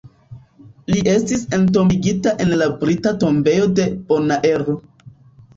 Li estis entombigita en la Brita Tombejo de Bonaero.